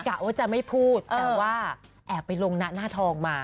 กะว่าจะไม่พูดแต่ว่าแอบไปลงหน้าทองมา